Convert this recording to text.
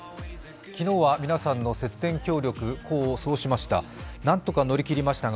昨日は皆さんの節電協力功を奏しました。